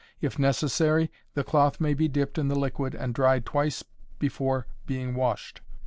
If necessary, the cloth may be dipped in the liquid and dried twice before being washed.